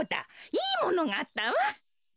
いいものがあったわ。